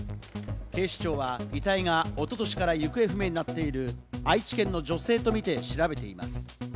警視庁は遺体が一昨年から行方不明になっている愛知県の女性とみて調べています。